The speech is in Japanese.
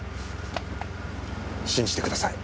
信じてください。